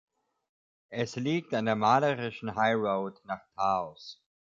Es liegt an der malerischen High Road nach Taos.